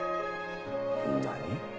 何？